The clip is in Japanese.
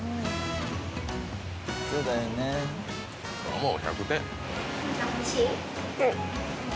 もう１００点。